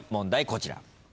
こちら。